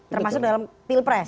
termasuk dalam pilpres